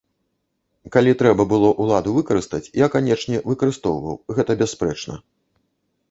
Калі трэба было ўладу выкарыстаць, я, канечне, выкарыстоўваў, гэта бясспрэчна.